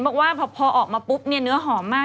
แต่ให้คิดว่าพอออกมาปุ๊บเนื้อหอมมาก